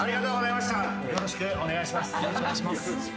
よろしくお願いします